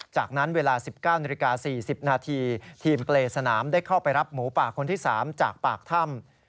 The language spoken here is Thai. จากนั้นเวลา๑๙นาฬิกา๔๐นาทีทีมเปรย์สนามได้เข้าไปรับหมูป่าคนที่๓จากปากถ้ำ